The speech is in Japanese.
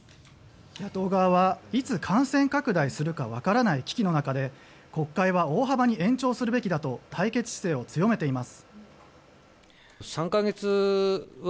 野党側はいつ感染拡大するかわからない危機の中で国会は大幅に延長するべきだと対決姿勢を強めています。